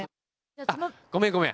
あっ、ごめんごめん。